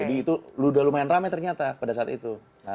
jadi itu udah lumayan rame ternyata pada saat itu